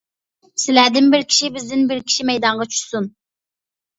سىلەردىن بىر كىشى، بىزدىن بىر كىشى مەيدانغا چۈشسۇن.